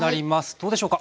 どうでしょうか？